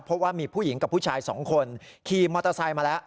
เพราะว่ามีผู้หญิงกับผู้ชายสองคนขี่มอเตอร์ไซค์มาแล้ว